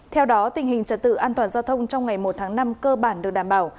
theo đó tình hình trật tự an toàn giao thông trong ngày một tháng năm cơ bản được đảm bảo